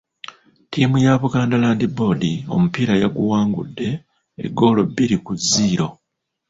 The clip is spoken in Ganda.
Ttiimu ya Buganda Land Board omupiira yaguwangudde eggoolo bbiri ku zziro.